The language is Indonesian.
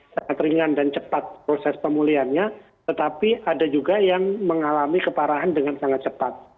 sangat ringan dan cepat proses pemulihannya tetapi ada juga yang mengalami keparahan dengan sangat cepat